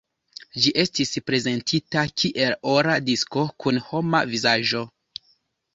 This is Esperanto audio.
Ĝi estis prezentita kiel ora disko kun homa vizaĝo.